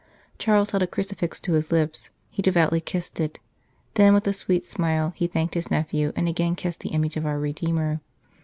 Charles held a crucifix to his lips ; he devoutly kissed it ; then, with a sweet smile, he thanked his nephew and again kissed the image of our Redeemer.